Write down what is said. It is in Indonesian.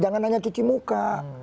jangan hanya cuci muka